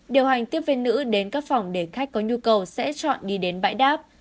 điều hành tiếp viên nữ đến các phòng để khách có nhu cầu sẽ chọn đi đến bãi đáp